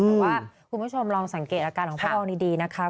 แต่ว่าคุณผู้ชมลองสังเกตอาการของพวกเราดีนะคะ